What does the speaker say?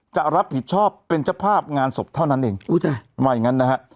จะรับผิดชอบเป็นจะพาบงานศพเท่านั้นเอง